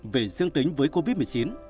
vì dương tính với covid một mươi chín